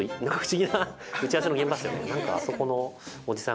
「なんかあそこのおじさん